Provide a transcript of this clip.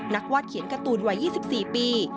วาดเขียนการ์ตูนวัย๒๔ปี